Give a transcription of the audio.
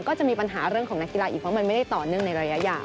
ก็จะมีปัญหาเรื่องของนักกีฬาอีกเพราะมันไม่ได้ต่อเนื่องในระยะยาว